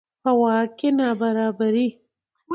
په واک کې نابرابري.